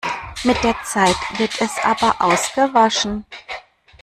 Mit der Zeit wird es aber ausgewaschen.